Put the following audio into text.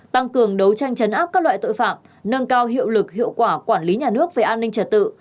tăng cường đấu tranh chấn áp các loại tội phạm nâng cao hiệu lực hiệu quả quản lý nhà nước về an ninh trật tự